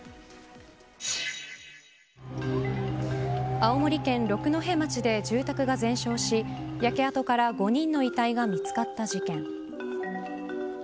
青森県六戸町で住宅が全焼し焼け跡から５人の遺体が見つかった事件。